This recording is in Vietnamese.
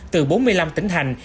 từ bốn mươi năm tỉnh hành